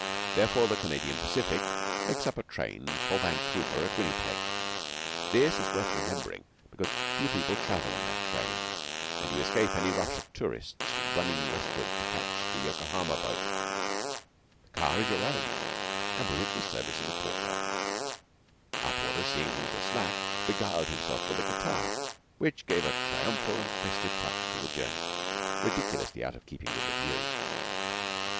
Therefore, the Canadian Pacific makes up a train for Vancouver at Winnipeg. This is worth remembering, because few people travel in that train, and you escape any rush of tourists running westward to catch the Yokohama boat. The car is your own, and with it the service of the porter. Our porter, seeing things were slack, beguiled himself with a guitar, which gave a triumphal and festive touch to the journey, ridiculously out of keeping with the view.